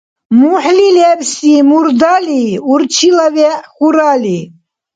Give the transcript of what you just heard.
МухӀли лебси — мурдали, урчила вегӀ — хьурали.